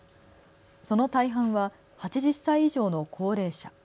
その大半は８０歳以上の高齢者。